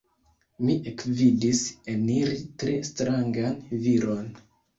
Mi ekvidis eniri tre strangan viron.